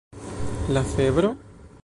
La febro?